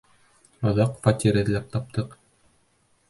Аҙаҡ фатир эҙләп таптыҡ.